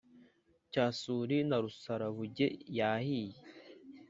cyasuri na rusarabuge yahiye